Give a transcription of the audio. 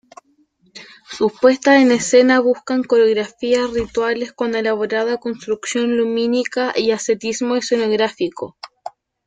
Sus puestas en escena buscan coreografías rituales, con elaborada construcción lumínica y ascetismo escenográfico.